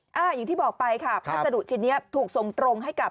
อย่างที่บอกไปค่ะพัสดุชิ้นนี้ถูกส่งตรงให้กับ